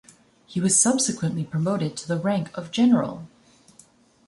He was subsequently promoted to the rank of General.